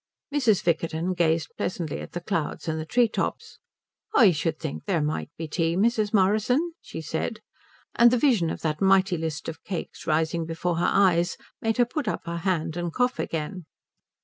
Mrs. Vickerton gazed pleasantly at the clouds and the tree tops. "I should think there might be tea, Mrs. Morrison," she said; and the vision of that mighty list of cakes rising before her eyes made her put up her hand and cough again.